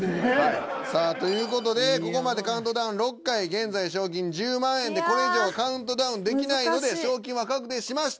さあという事でここまでカウントダウン６回現在賞金１０万円でこれ以上カウントダウンできないので賞金は確定しましたが。